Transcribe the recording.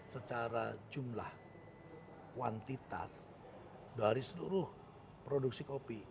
secara jumlah kuantitas dari seluruh produksi kopi